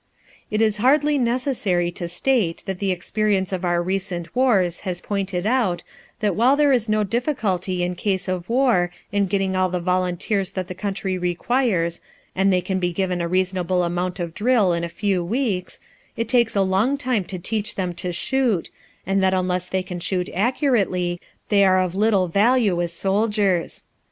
It is hardly necessary to state that the experience of our recent wars has pointed out that while there is no difficulty in case of war in getting all the volunteers that the country requires and they can be given a reasonable amount of drill in a few weeks, it takes a long time to teach them to shoot, and that unless they can shoot accurately they are of little value as soldiers.